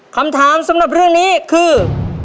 คำถามสำหรับเรื่องนี้คือ